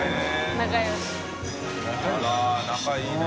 △蕁仲いいね。